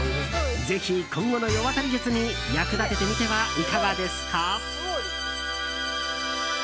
ぜひ、今後の世渡り術に役立ててみてはいかがですか。